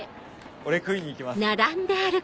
俺食いに行きます。